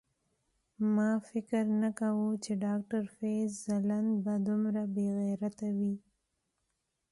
ما فکر نه کاوه چی ډاکټر فیض ځلاند به دومره بیغیرته وی